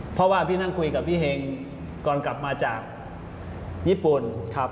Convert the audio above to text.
เพราะว่าพี่นั่งคุยกับพี่เฮงก่อนกลับมาจากญี่ปุ่น